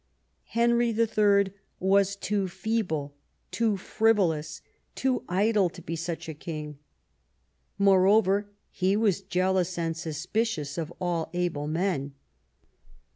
Henry III. was too feeble, too frivolous, too idle, to be such a king. Moreover, he was jealous and suspicious of all able men.